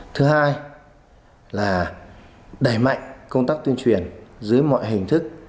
thứ hai là đẩy mạnh công tác tuyên truyền dưới mọi hình thức